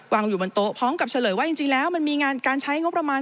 อยู่บนโต๊ะพร้อมกับเฉลยว่าจริงแล้วมันมีการใช้งบประมาณ